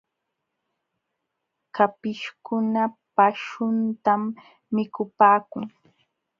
Kapishkuna paśhuntam mikupaakun.